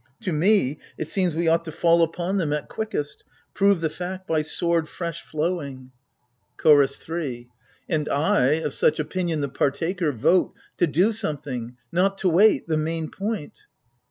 To me, it seems we ought to fall upon them At quickest — prove the tact by sword fresh flowing ! AGAMEMNON. i CHOROS 3. And I, of such opinion the partaker, Vote — to do something : not to wait — the main point